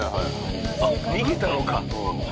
あっ逃げたのか。